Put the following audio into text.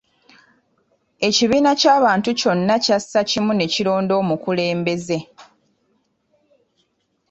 Ekibiina ky’abantu kyonna kyassa kimu ne kironda omukulembeze.